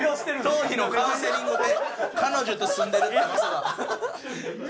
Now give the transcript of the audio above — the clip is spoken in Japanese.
頭皮のカウンセリングで彼女と住んでるってまさか。